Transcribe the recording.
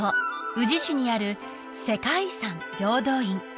宇治市にある世界遺産平等院